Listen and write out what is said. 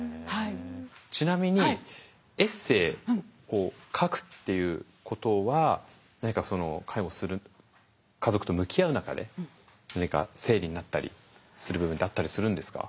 ちなみにエッセーを書くっていうことは何かその介護する家族と向き合う中で何か整理になったりする部分ってあったりするんですか？